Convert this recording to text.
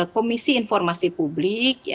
komisi informasi publik